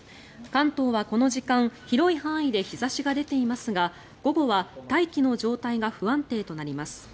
関東はこの時間広い範囲で日差しが出ていますが午後は大気の状態が不安定となります。